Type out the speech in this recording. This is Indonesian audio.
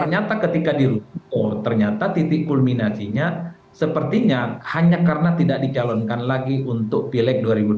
ternyata ketika dirupuk ternyata titik kulminasinya sepertinya hanya karena tidak dicalonkan lagi untuk pileg dua ribu dua puluh